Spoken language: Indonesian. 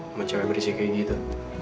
sama cewe berisik kayak gitu